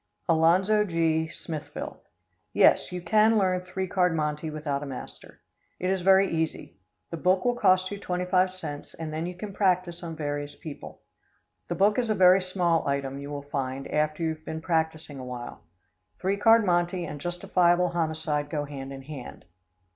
Alonzo G., Smithville. Yes, you can learn three card monte without a master. It is very easy. The book will cost you twenty five cents and then you can practice on various people. The book is a very small item, you will find, after you have been practicing awhile. Three card monte and justifiable homicide go hand in hand.